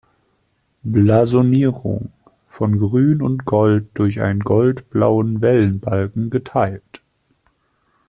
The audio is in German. Blasonierung: „Von Grün und Gold durch einen gold-blauen Wellenbalken geteilt.